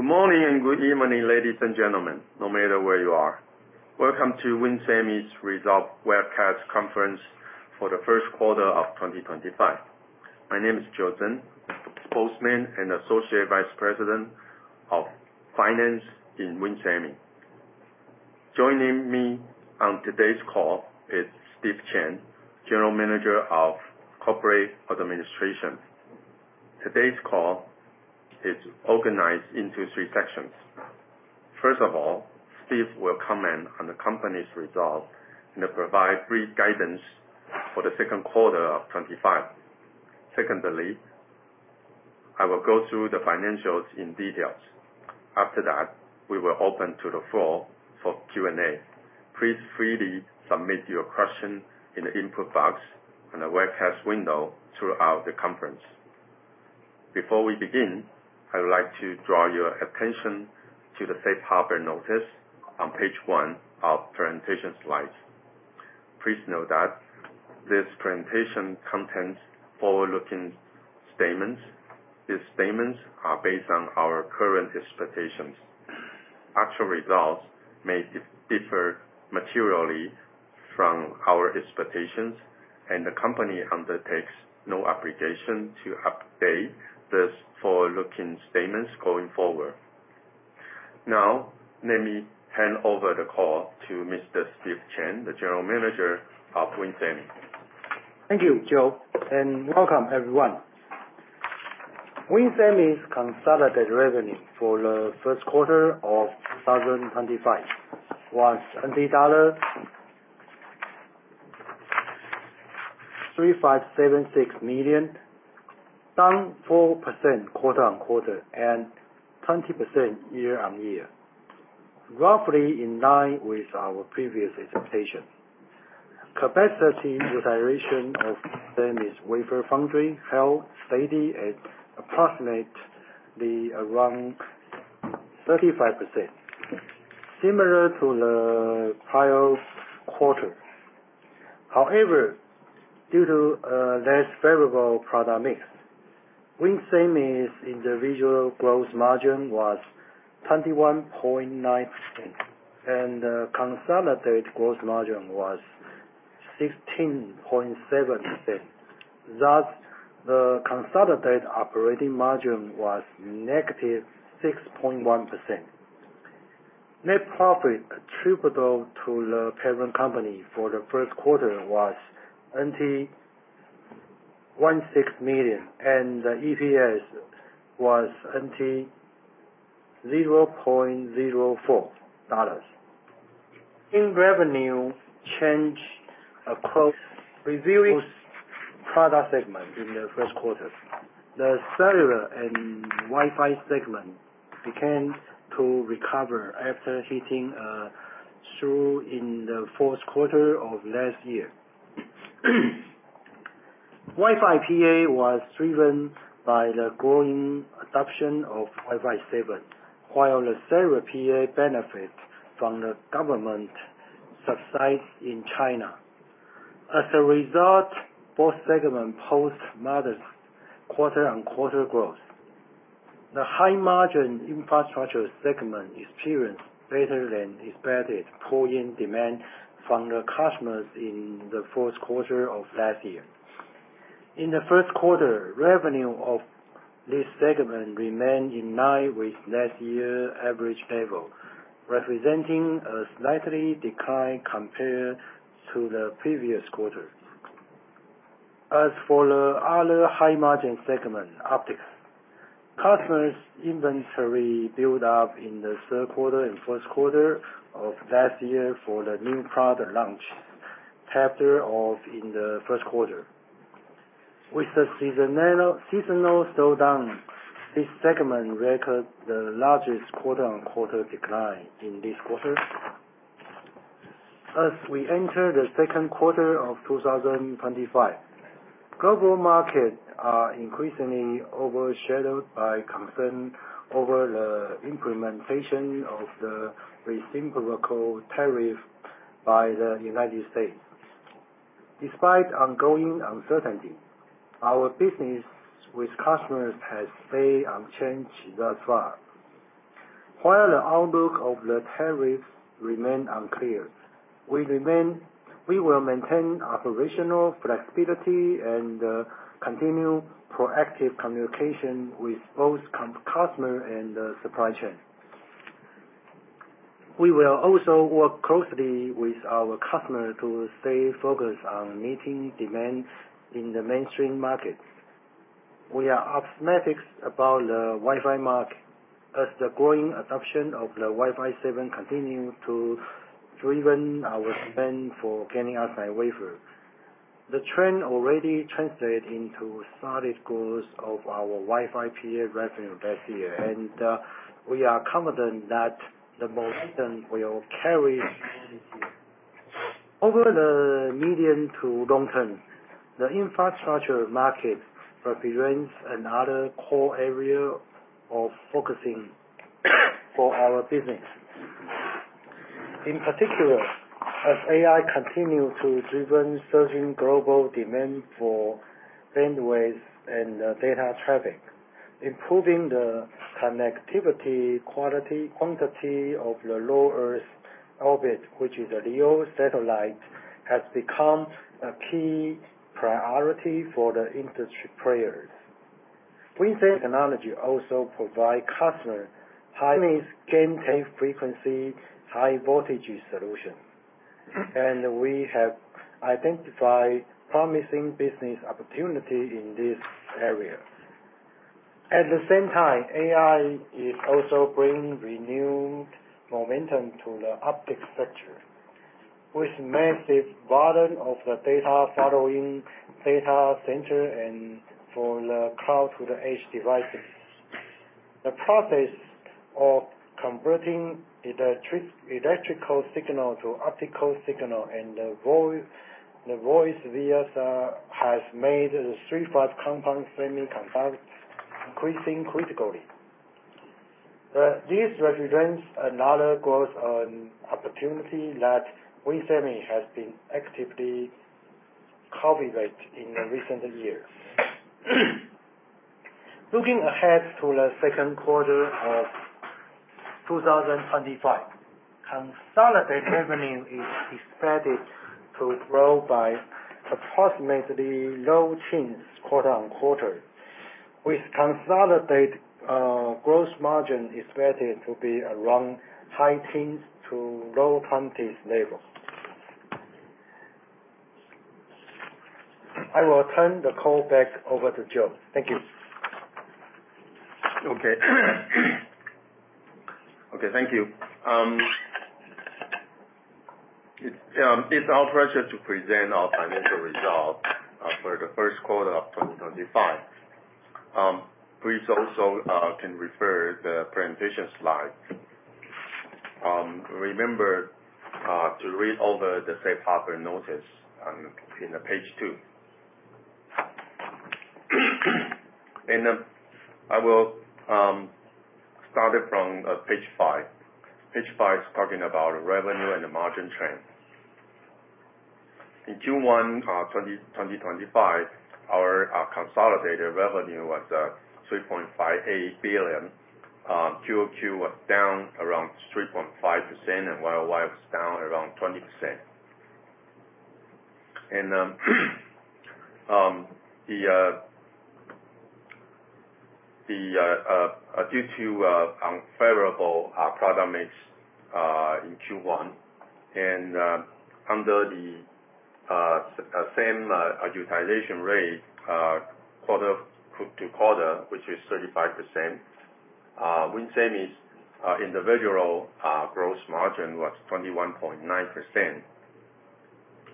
Good morning and good evening, ladies and gentlemen, no matter where you are. Welcome to WIN Semi's Result Webcast Conference for the first quarter of 2025. My name is Joe Tsen, Spokesman and Associate Vice President of Finance in WIN Semi. Joining me on today's call is Steve Chen, General Manager of Corporate Administration. Today's call is organized into three sections. First of all, Steve will comment on the company's results and provide brief guidance for the second quarter of 2025. Secondly, I will go through the financials in detail. After that, we will open to the floor for Q&A. Please freely submit your questions in the input box on the webcast window throughout the conference. Before we begin, I would like to draw your attention to the safe harbor notice on page one of the presentation slides. Please note that this presentation contains forward-looking statements. These statements are based on our current expectations. Actual results may differ materially from our expectations, and the company undertakes no obligation to update these forward-looking statements going forward. Now, let me hand over the call to Mr. Steve Chen, the General Manager of WIN Semi. Thank you, Joe, and welcome, everyone. WIN Semi's consolidated revenue for the first quarter of 2025 was TWD 3,576,000,000, down 4% quarter-on-quarter and 20% year-on-year, roughly in line with our previous expectation. Capacity utilization of WIN Semi's wafer foundry held steady at approximately around 35%, similar to the prior quarter. However, due to less variable product mix, WIN Semi's individual gross margin was 21.9%, and the consolidated gross margin was 16.7%. Thus, the consolidated operating margin was -6.1%. Net profit attributable to the parent company for the first quarter was 16,000,000, and the EPS was 0.04 dollars. In revenue change, across reviewing product segments in the first quarter, the cellular and Wi-Fi segment began to recover after hitting a trough in the fourth quarter of last year. Wi-Fi PA was driven by the growing adoption of Wi-Fi 7, while the cellular PA benefited from the government subsidies in China. As a result, both segments post modest quarter-on-quarter growth. The high-margin infrastructure segment experienced better-than-expected pour-in demand from the customers in the fourth quarter of last year. In the first quarter, revenue of this segment remained in line with last year's average level, representing a slightly declined compared to the previous quarter. As for the other high-margin segment, optics, customers' inventory built up in the third quarter and fourth quarter of last year for the new product launch captured in the first quarter. With the seasonal slowdown, this segment recorded the largest quarter-on-quarter decline in this quarter. As we enter the second quarter of 2025, global markets are increasingly overshadowed by concerns over the implementation of the reciprocal tariff by the United States. Despite ongoing uncertainty, our business with customers has stayed unchanged thus far. While the outlook of the tariffs remains unclear, we will maintain operational flexibility and continue proactive communication with both customers and the supply chain. We will also work closely with our customers to stay focused on meeting demand in the mainstream markets. We are optimistic about the Wi-Fi market as the growing adoption of the Wi-Fi 7 continues to drive our spend for getting outside wafers. The trend already translated into solid growth of our Wi-Fi PA revenue last year, and we are confident that the most return will carry. Over the medium- to long-term, the infrastructure market represents another core area of focusing for our business. In particular, as AI continues to drive surging global demand for bandwidth and data traffic, improving the connectivity quantity of the low Earth orbit, which is a LEO satellite, has become a key priority for the industry players. WIN Semi also provides customers high-gain, high-frequency, high-voltage solutions, and we have identified promising business opportunities in this area. At the same time, AI is also bringing renewed momentum to the optics sector, with massive volume of the data flowing to data centers and for the cloud-to-the-edge devices. The process of converting electrical signal to optical signal and the voice via has made the III-V compound semiconductor increasingly critical. This represents another growth opportunity that WIN Semi has been actively cultivating in the recent years. Looking ahead to the second quarter of 2025, consolidated revenue is expected to grow by approximately low-teens quarter-on-quarter, with consolidated gross margin expected to be around high-teens to low-teens level. I will turn the call back over to Joe. Thank you. Okay. Okay, thank you. It's our pleasure to present our financial results for the first quarter of 2025. Please also you can refer to the presentation slides. Remember to read over the safe harbor notice in page two. I will start from page five. Page five is talking about revenue and the margin trend. In Q1 2025, our consolidated revenue was 3.58 billion. QoQ was down around 3.5%, and YoY was down around 20%. Due to unfavorable product mix in Q1 and under the same utilization rate, quarter to quarter, which is 35%, WIN Semi's individual gross margin was 21.9%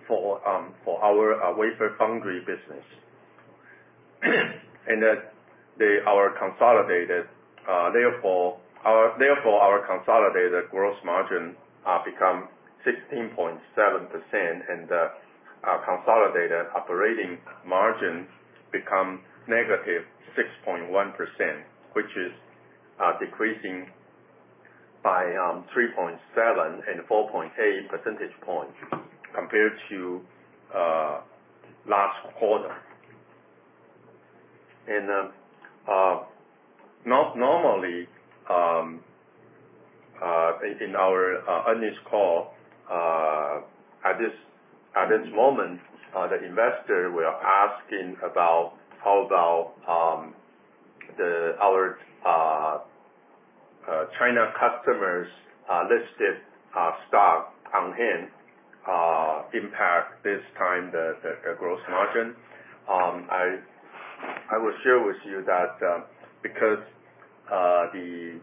for our wafer foundry business. Therefore, our consolidated gross margin becomes 16.7%, and our consolidated operating margin becomes -6.1%, which is decreasing by 3.7 and 4.8 percentage points compared to last quarter. Normally, in our earnings call, at this moment, the investor will ask about how about our China customers' listed stock on hand impact this time the gross margin. I will share with you that because the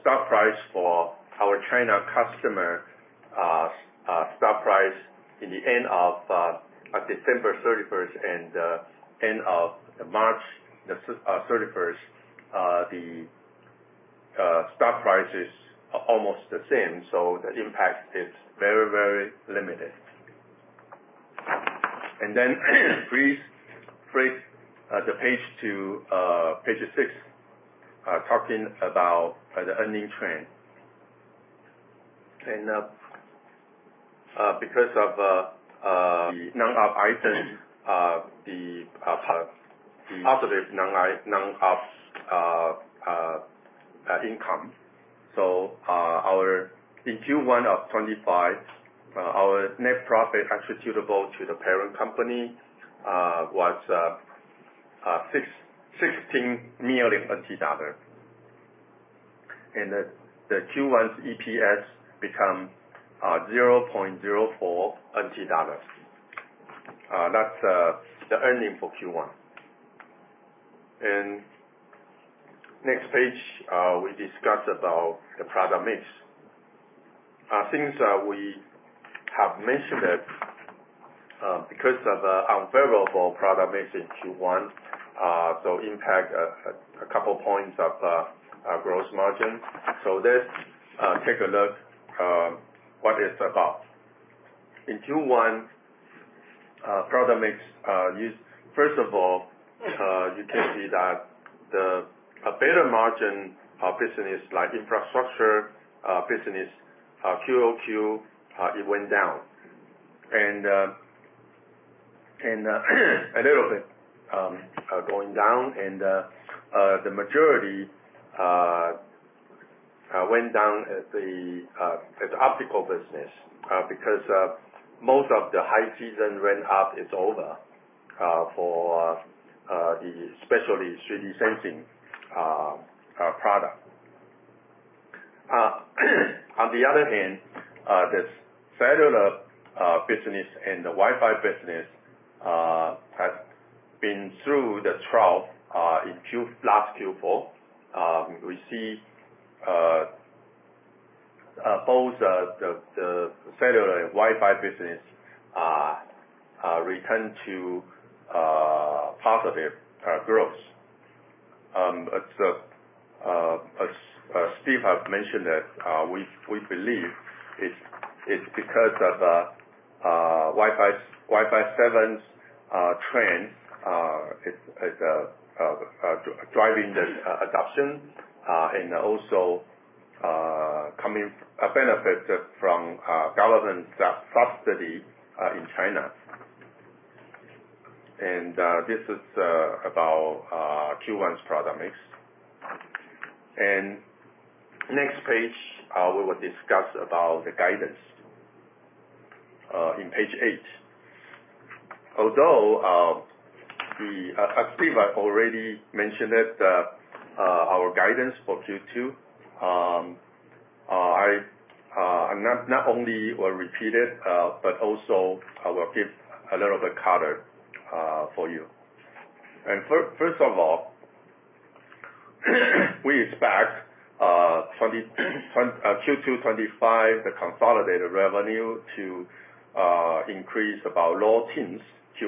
stock price for our China customer stock price in the end of December 31st and end of March 31st, the stock price is almost the same, so the impact is very, very limited. Please flip the page to page six talking about the earning trend. Because of the non-op items, the positive non-op income, in Q1 of 2025, our net profit attributable to the parent company was TWD 16 million. The Q1's EPS becomes 0.04 NT dollars. That's the earning for Q1. Next page, we discuss about the product mix. Since we have mentioned that because of the unfavorable product mix in Q1, it impacted a couple points of gross margin. Let's take a look at what it's about. In Q1, product mix used, first of all, you can see that the better margin business like infrastructure business, QoQ, it went down. A little bit going down and the majority went down at the optical business because most of the high season went up, it's over for especially 3D-sensing product. On the other hand, the cellular business and the Wi-Fi business has been through the trough in last Q4. We see both the cellular and Wi-Fi business return to positive growth. As Steve mentioned, we believe it's because of Wi-Fi 7 trend driving the adoption and also coming benefit from government subsidy in China. This is about Q1's product mix. Next page, we will discuss about the guidance in page eight. Although Steve already mentioned that our guidance for Q2, I not only will repeat it, but also I will give a little bit of color for you. First of all, we expect Q2 2025, the consolidated revenue to increase about low-teens, QoQ, for QoQ basis. We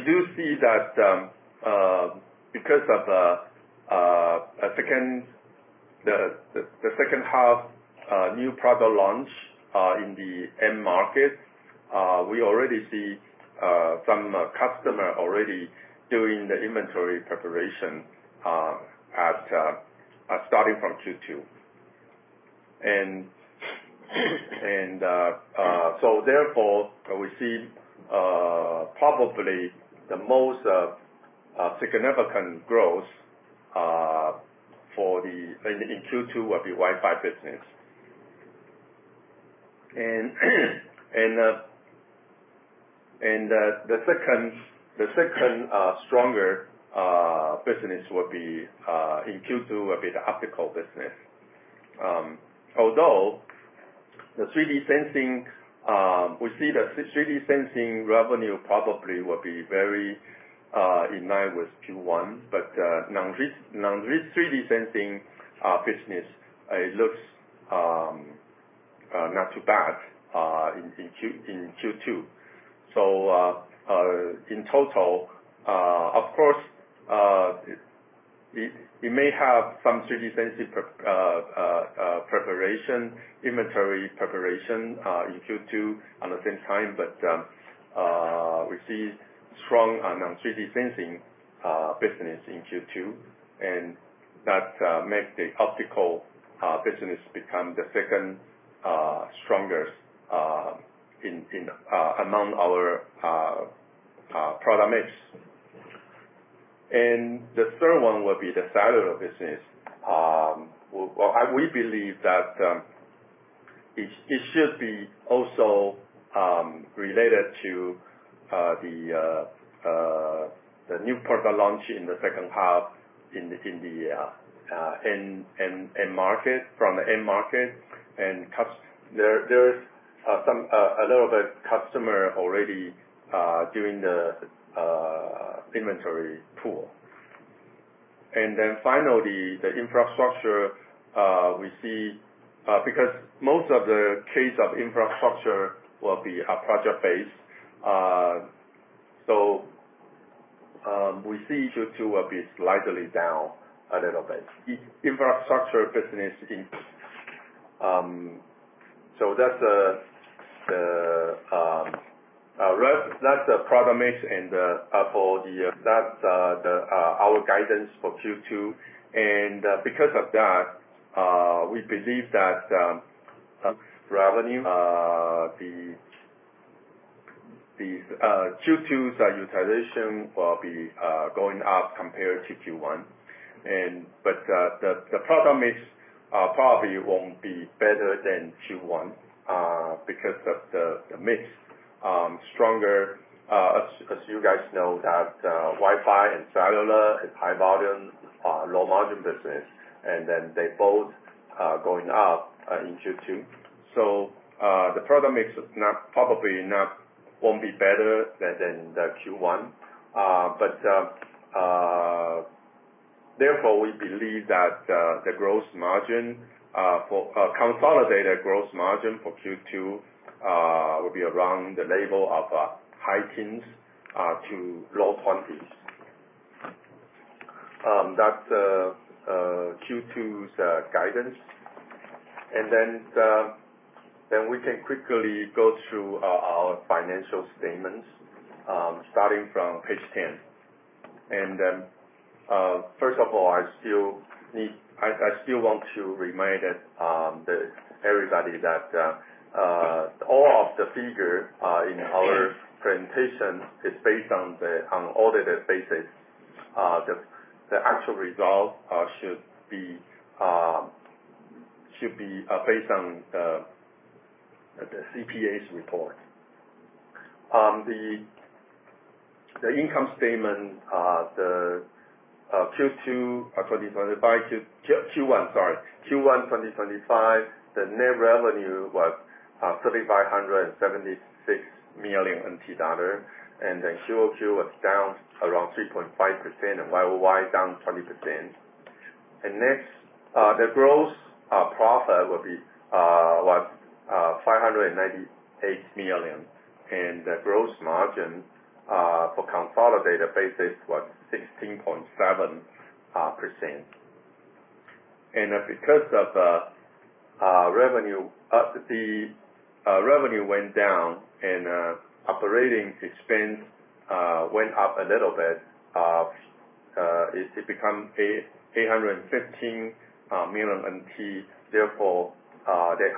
do see that because of the second-half new product launch in the end market. We already see some customers already doing the inventory preparation starting from Q2. Therefore, we see probably the most significant growth in Q2 will be Wi-Fi business. The second stronger business will be in Q2 will be the optical business. Although the 3D-sensing, we see the 3D-sensing revenue probably will be very in line with Q1, but non-3D-sensing business, it looks not too bad in Q2. In total, of course, it may have some 3D-sensing preparation, inventory preparation in Q2 at the same time, but we see strong non-3D-sensing business in Q2. That makes the optical business become the second strongest among our product mix. The third one will be the cellular business. We believe that it should be also related to the new product launch in the second half in the end market from the end market. There is a little bit customer already doing the inventory pool. Finally, the infrastructure, we see because most of the case of infrastructure will be project-based. We see Q2 will be slightly down a little bit. Infrastructure business, so that is the product mix and for the. That is our guidance for Q2. Because of that, we believe that revenue, the Q2's utilization will be going up compared to Q1. But the product mix probably will not be better than Q1 because of the mix stronger. As you guys know, that Wi-Fi and cellular and high-volume low margin business, and then they both going up in Q2. The product mix probably will not be better than the Q1. Therefore, we believe that the gross margin for consolidated gross margin for Q2 will be around the level of high-teens to low-teens. That is Q2's guidance. We can quickly go through our financial statements starting from page 10. First of all, I still want to remind everybody that all of the figure in our presentation is based on audited basis. The actual result should be based on the CPA's report. The income statement, the Q1 2025, Q1, sorry, Q1 2025, the net revenue was 3,576,000,000 NT dollar and the QoQ was down around 3.5% and YoY down 20%. Next, the gross profit will be 598 million. The gross margin for consolidated basis was 16.7%. Because the revenue went down and operating expense went up a little bit, it becomes 815 million NT. Therefore, the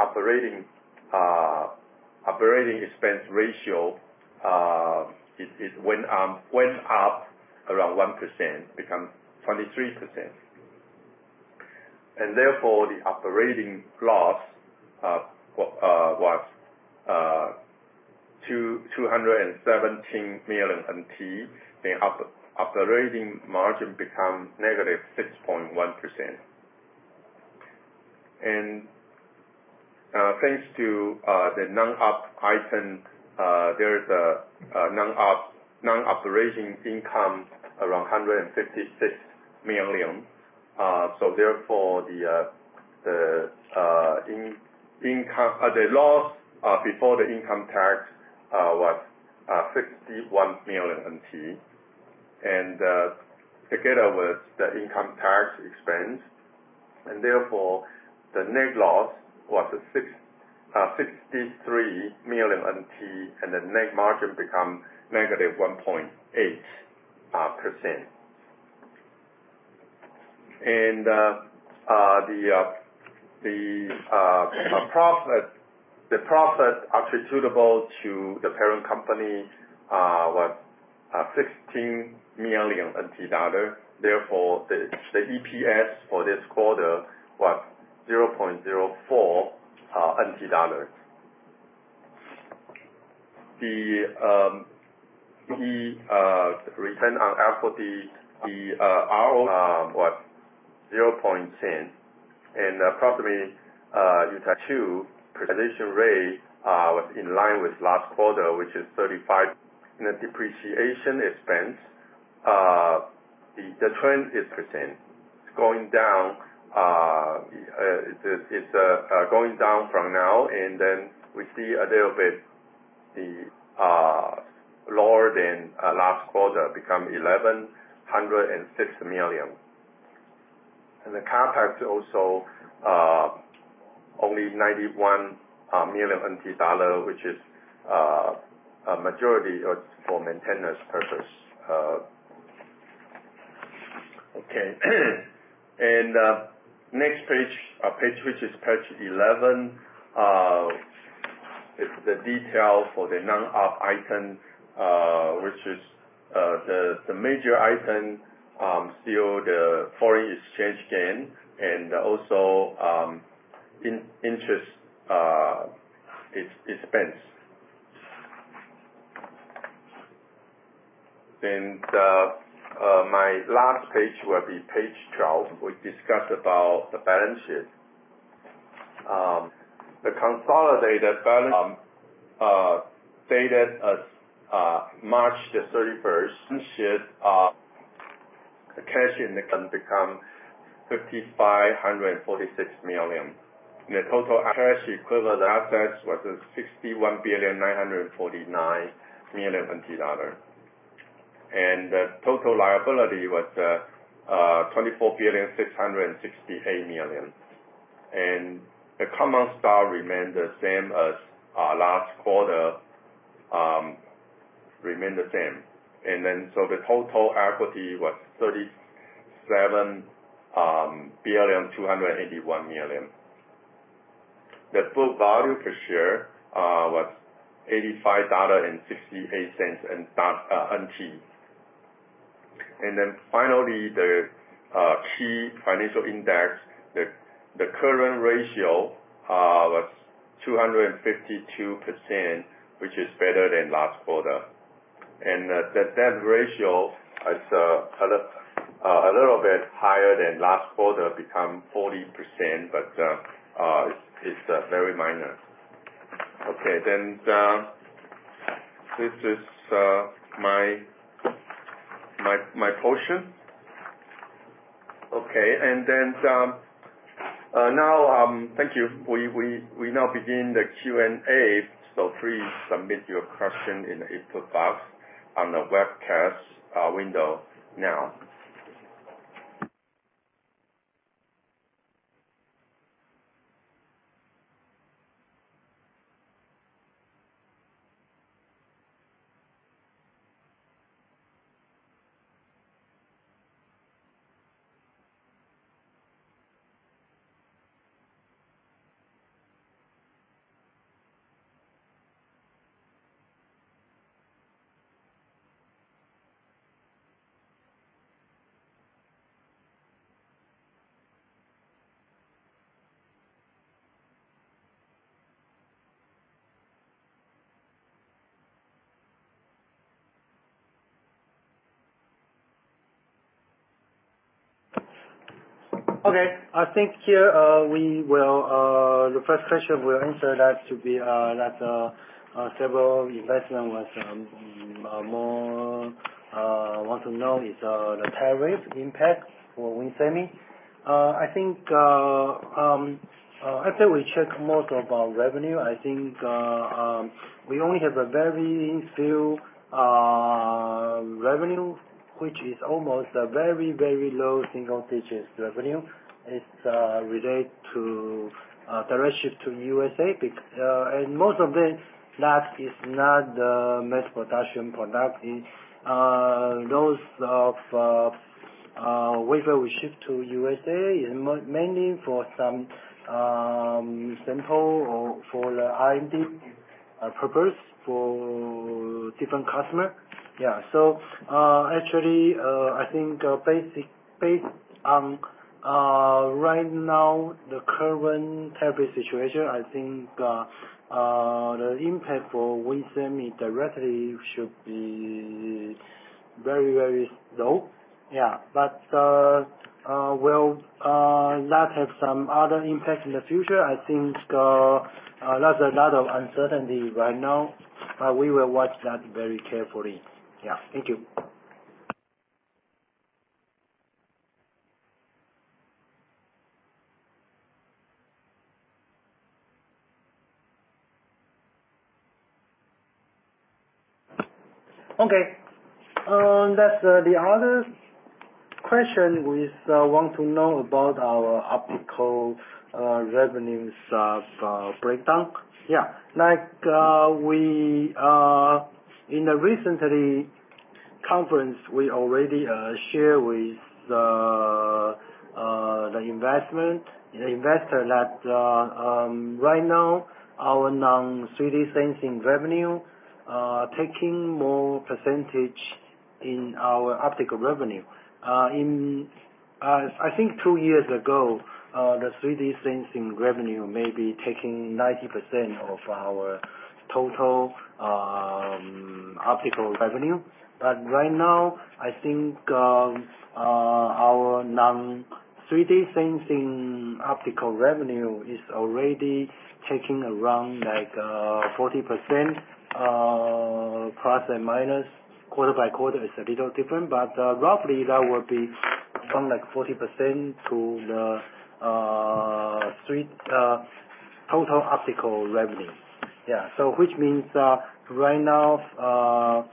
operating expense ratio went up around 1%. It becomes 23%. Therefore, the operating loss was TWD 217 million. Operating margin becomes -6.1%. Thanks to the non-op item, there is a non-operating income around 156 million. Therefore, the loss before the income tax was 61 million NT. Together with the income tax expense, the net loss was 63 million NT. The net margin becomes -1.8%. The profit attributable to the parent company was 16 million NT dollar. Therefore, the EPS for this quarter was 0.04 NT dollar. The return on equity, the ROE was 0.10%. Utilization rate was in line with last quarter, which is 35%. The depreciation expense, the trend is going down. It's going down from now. We see a little bit lower than last quarter, become 1,106,000,000. The CapEx also only 91 million NT dollar, which is majority for maintenance purpose. Next page, which is page 11, is the detail for the non-op item, which is the major item, still the foreign exchange gain and also interest expense. My last page will be page 12. We discuss about the balance sheet. The consolidated balance dated March the 31st, balance sheet cash and become 5,546,000,000. The total cash equivalent assets was 61,949,000,000 dollar. The total liability was 24,668,000,000. The common stock remained the same as last quarter, remained the same. The total equity was 37,281,000,000. The book value per share was 85.68 dollars. Finally, the key financial index, the current ratio was 252%, which is better than last quarter. That ratio is a little bit higher than last quarter, become 40%, but it's very minor. This is my portion. Thank you. We now begin the Q&A. Please submit your question in the input box on the webcast window now. I think here we will, the first question we'll answer, that to be that several investment was more want to know is the tariff impact for WIN Semiconductors. I think after we check most of our revenue, I think we only have a very few revenue, which is almost very, very low single-digit revenue. It's related to direct ship to U.S., and most of that is not the mass production product. Those wafers we ship to the U.S. are mainly for some samples or for R&D purposes for different customers. Yeah. Actually, I think based on the current tariff situation, I think the impact for WIN Semi directly should be very, very low. Yeah. We will not have some other impact in the future. I think there is a lot of uncertainty right now. We will watch that very carefully. Yeah. Thank you. Okay. The other question we want to know is about our optical revenue breakdown. Yeah. In the recent conference, we already shared with investors that right now, our non-3D-sensing revenue is taking a higher percentage in our optical revenue. I think two years ago, the 3D-sensing revenue may have been taking 90% of our total optical revenue. Right now, I think our non-3D-sensing optical revenue is already taking around 40% plus or minus. Quarter by quarter is a little different, but roughly, that will be around 40% to the total optical revenue. Yeah. Which means right now,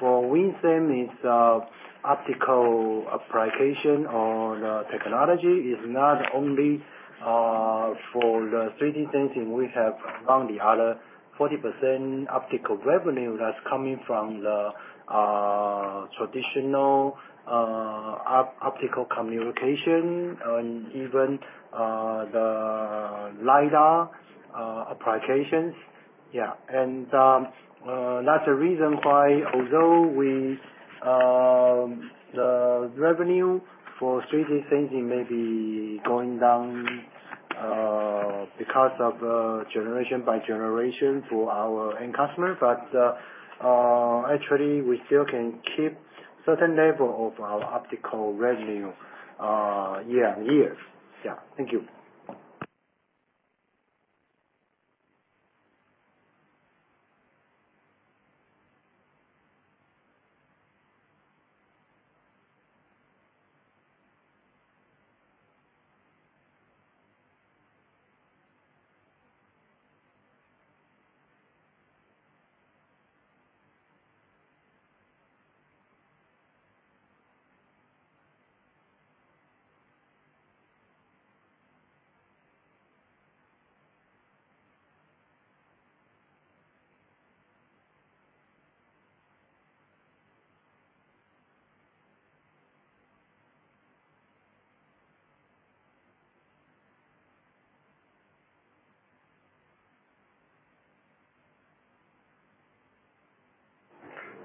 for WIN Semi's optical application or the technology, it is not only for the 3D-sensing. We have around the other 40% optical revenue that is coming from the traditional optical communication and even the LiDAR applications. Yeah. That is the reason why, although the revenue for 3D-sensing may be going down because of generation by generation for our end customer, actually, we still can keep a certain level of our optical revenue year-on-year. Yeah. Thank you.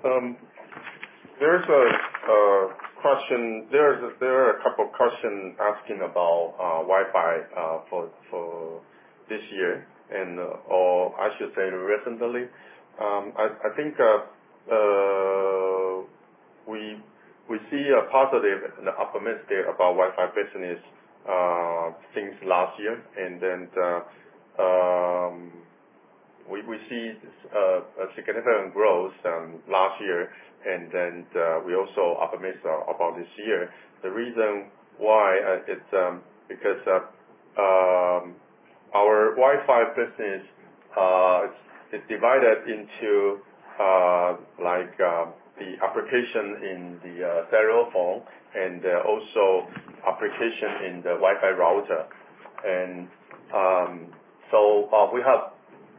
There is a question. There are a couple of questions asking about Wi-Fi for this year. I should say recently, I think we see a positive and optimistic about Wi-Fi business since last year. We see a significant growth last year. We also optimize about this year. The reason why is because our Wi-Fi business is divided into the application in the cellular phone and also application in the Wi-Fi router. We have,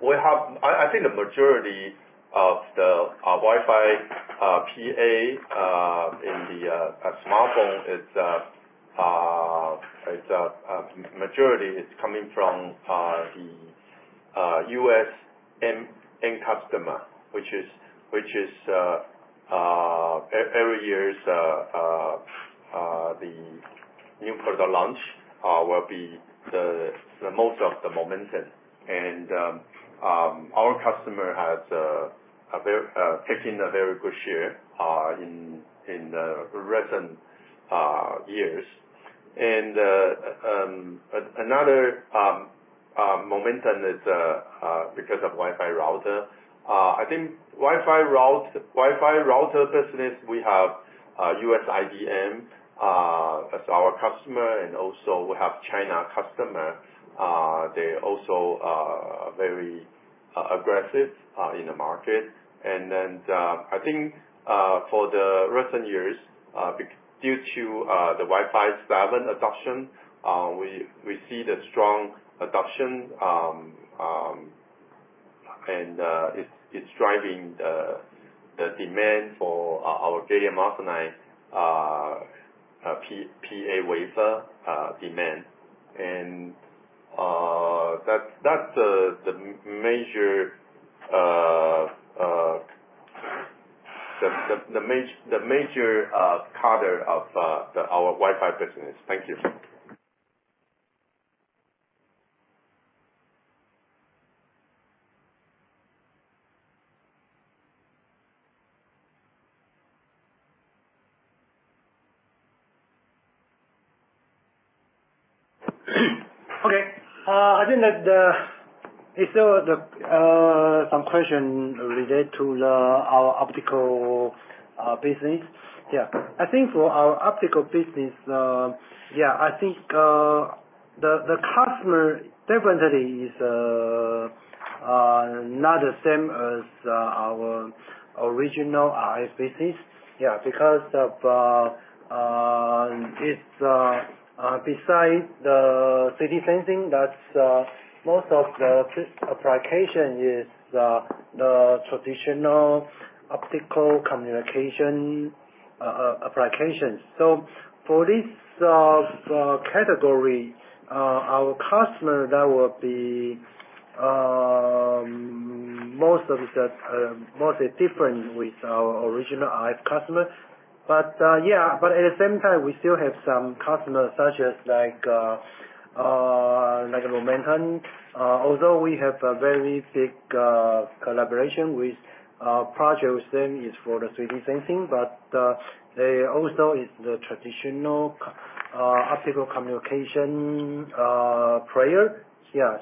I think, the majority of the Wi-Fi PA in the smartphone is the majority is coming from the U.S. end customer, which is every year the new product launch will be the most of the momentum. Our customer has taken a very good share in the recent years. Another momentum is because of Wi-Fi router. I think Wi-Fi router business, we have U.S. IBM as our customer. We also have China customer. They're also very aggressive in the market. I think for the recent years, due to the Wi-Fi 7 adoption, we see the strong adoption. It is driving the demand for our Wi-Fi PA wafer demand. That is the major cutter of our Wi-Fi business. Thank you. Okay. I think that it is still some question related to our optical business. Yeah. I think for our optical business, yeah, I think the customer definitely is not the same as our original RF business. Yeah. Because besides the 3D-sensing, that is most of the application, it is the traditional optical communication applications. For this category, our customer, that will be mostly different with our original RF customer. Yeah. At the same time, we still have some customer such as like Lumentum. Although we have a very big collaboration with Project Wu Seng, it is for the 3D-sensing. They also are the traditional optical communication player. Yeah.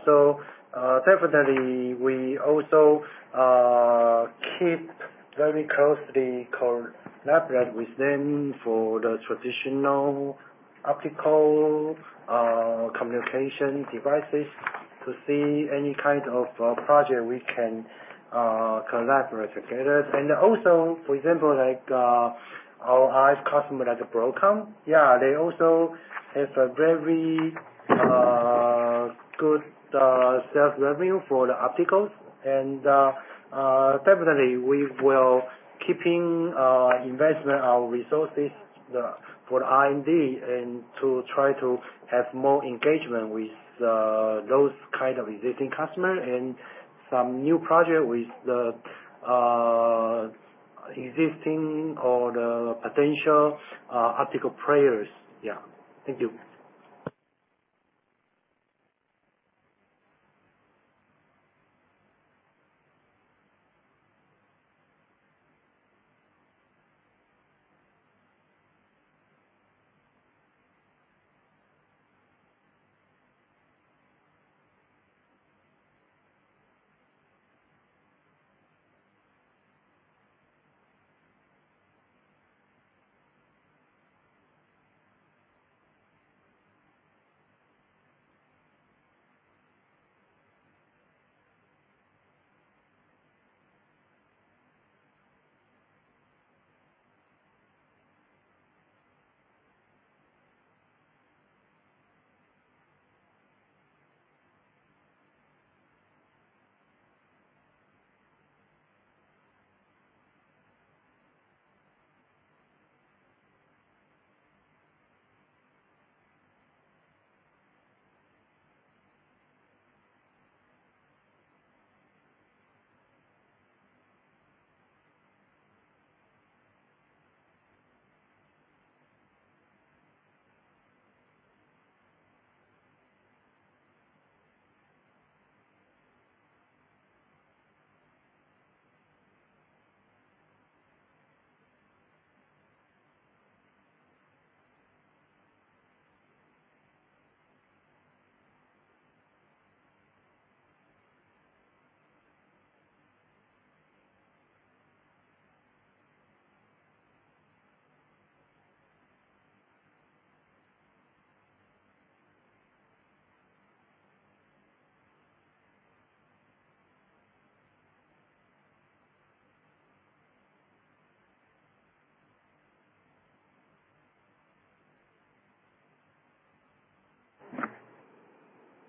We also keep very closely collaborate with them for the traditional optical communication devices to see any kind of project we can collaborate together. For example, our RF customer like Broadcom, yeah, they also have a very good sales revenue for the opticals. We will keep investment our resources for the R&D and try to have more engagement with those kind of existing customer and some new project with the existing or the potential optical players. Yeah. Thank you.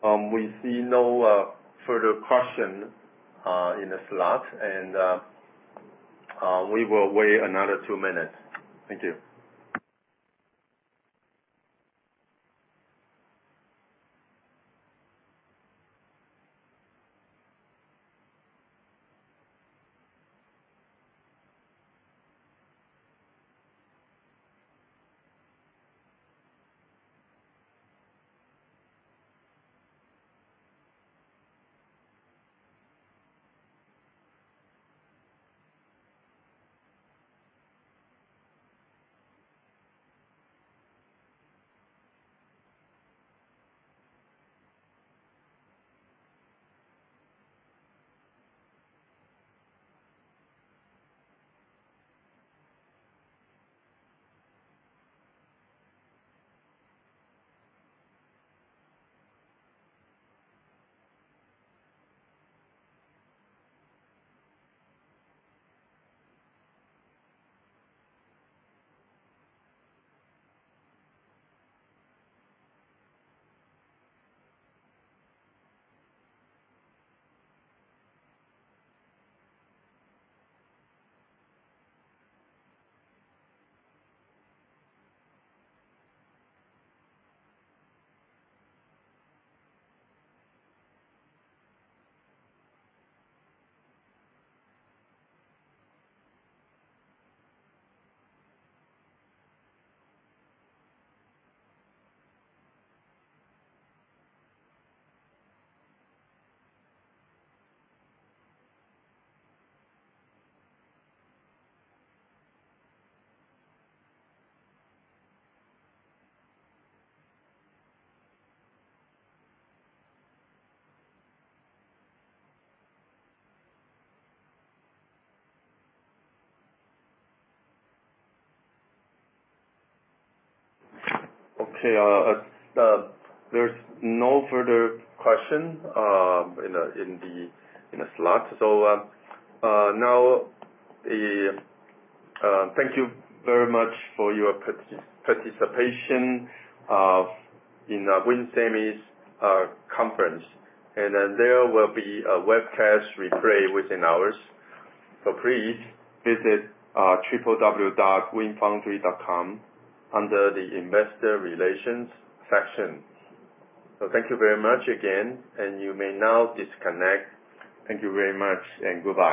We see no further question in the slot. We will wait another two minutes. Thank you. Okay. There is no further question in the slot. Thank you very much for your participation in WIN Semi's conference. There will be a webcast replay within hours. Please visit www.winfoundry.com under the Investor Relations section. Thank you very much again. You may now disconnect. Thank you very much and goodbye.